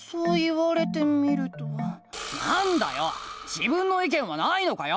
自分の意見はないのかよ！